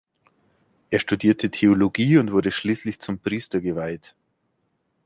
Er studierte Theologie und wurde schließlich zum Priester geweiht.